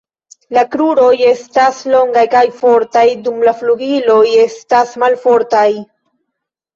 La kruroj estas longaj kaj fortaj, dum la flugiloj estas malfortaj.